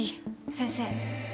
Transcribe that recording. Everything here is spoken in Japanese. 先生